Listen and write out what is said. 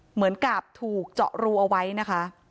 เหมือนกับถูกเจาะรูเอาไว้นะคะ